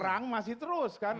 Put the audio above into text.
perang masih terus kan